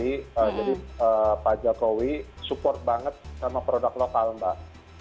jadi pak jokowi support banget sama produk lokal mbak